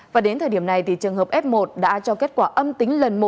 và đến thời điểm này trường hợp f một đã cho kết quả âm tính lần một